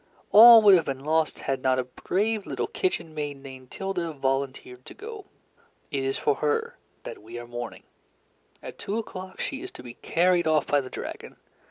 All would have been lost had not a brave little kitchen maid named Tilda volunteered to go. It is for her that we are mourning. At two o'clock she is to be carried off by the dragon.